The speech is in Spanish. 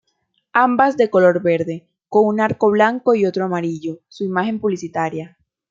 Ambas de color verde, con un arco blanco y otro amarillo, su imagen publicitaria.